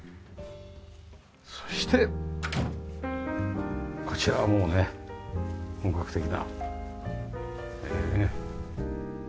そしてこちらはもうね本格的な。